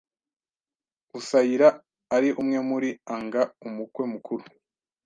usaira ari umwe muri a nga! Umukwe mukuru